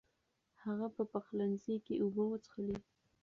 هغه په پخلنځي کې اوبه وڅښلې.